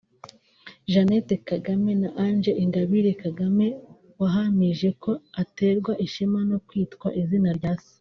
Jeannette Kagame na Ange Ingabire Kagame wahamije ko aterwa ishema no kwitwa izina rya Se